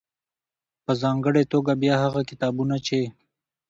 .په ځانګړې توګه بيا هغه کتابونه چې